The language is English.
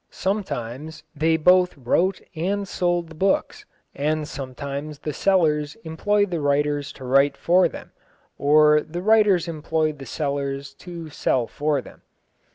Sometimes they both wrote and sold the books, and sometimes the sellers employed the writers to write for them, or the writers employed the sellers to sell for them.